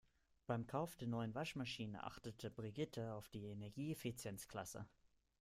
Beim Kauf der neuen Waschmaschine achtete Brigitte auf die Energieeffizienzklasse.